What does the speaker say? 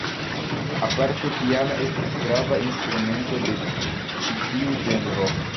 Aparte piano estis grava instrumento de ĉi tiu ĝenro.